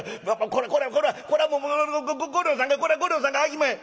これはこれはこれはもうごご御寮人さんがこれは御寮人さんがあきまへん」。